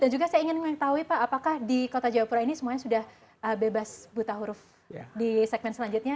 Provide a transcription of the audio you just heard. dan juga saya ingin mengetahui pak apakah di kota jayapura ini semuanya sudah bebas buta huruf di segmen selanjutnya